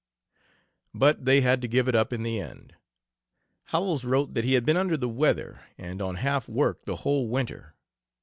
But they had to give it up in the end. Howells wrote that he had been under the weather, and on half work the whole winter.